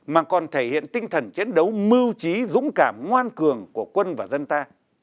mà còn thể hiện tinh thần chiến đấu mưu trí dũng cảm ngoan cường của quân và dân ta